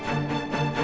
saya mau ke rumah